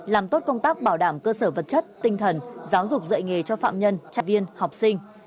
làm tốt công tác bảo đảm cơ sở vật chất tinh thần giáo dục dạy nghề cho phạm nhân chạp viên học sinh